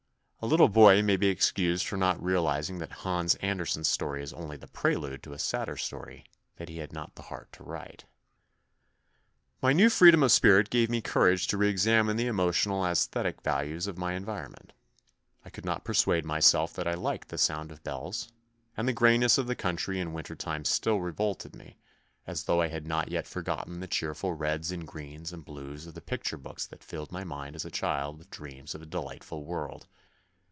A little boy may be excused for not realising that Hans Andersen's story is only the prelude to a sadder story that he had not the heart to write. My new freedom of spirit gave me courage to re examine the emotional and aesthetic values of my environment. I could not persuade myself that I liked the sound of bells, and the greyness of the country in THE NEW BOY 71 winter time still revolted me, as though I had not yet forgotten the cheerful reds and greens and blues of the picture books that filled my mind as a child with dreams of a delightful world.